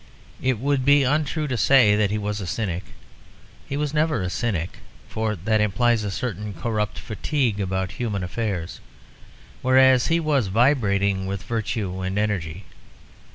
It would be untrue to say that he was a cynic; he was never a cynic, for that implies a certain corrupt fatigue about human affairs, whereas he was vibrating with virtue and energy.